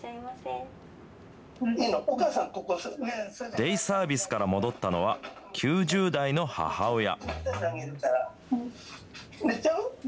デイサービスから戻ったのは、９０代の母親。